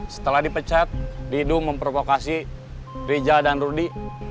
setelah dipecat didu memprovokasi rija dan rudy